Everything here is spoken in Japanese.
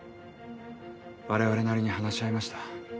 我々なりに話し合いました